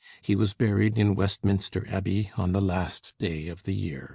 He was buried in Westminster Abbey on the last day of the year.